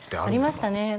ありましたね